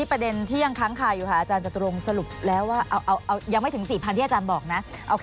สักครู่ค่ะ